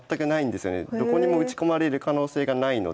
どこにも打ち込まれる可能性がないので。